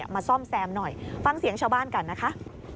ซ่อมแซมหน่อยฟังเสียงชาวบ้านกันนะคะ